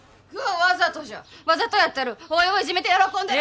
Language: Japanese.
わざとじゃわざとやってるおいをいじめて喜んどる